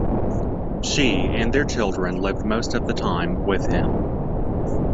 She and their children lived most of the time with him.